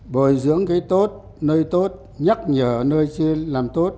bồi dưỡng cái tốt nơi tốt nhắc nhở nơi chưa làm tốt